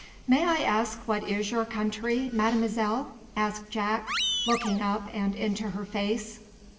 "May I ask what is your country, Mademoiselle?" asked Jack, looking up and into her face.